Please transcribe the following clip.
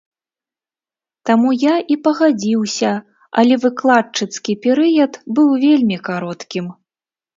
Таму я і пагадзіўся, але выкладчыцкі перыяд быў вельмі кароткім.